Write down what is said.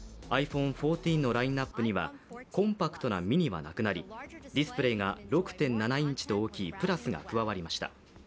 ｉＰｈｏｎｅ１４のラインナップには、コンパクトなｍｉｎｉはなくなり、ディスプレーが６．７インチと大きいＰｌｕｓが加わりました。